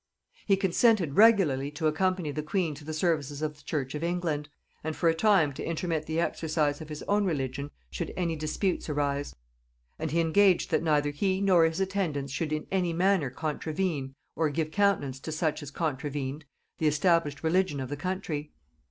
He consented regularly to accompany the queen to the services of the church of England, and for a time to intermit the exercise of his own religion should any disputes arise; and he engaged that neither he nor his attendants should in any manner contravene, or give countenance to such as contravened, the established religion of the country.